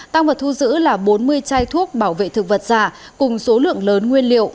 tăng vật thu giữ là bốn mươi chai thuốc bảo vệ thực vật giả cùng số lượng lớn nguyên liệu